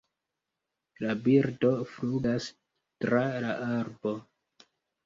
La birdo flugas tra la arbo